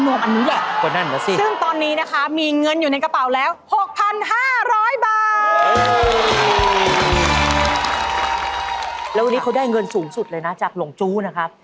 แล้ววันนี้เขาได้เงินสูงสุดเลยนะจากหลงจู้นะครับ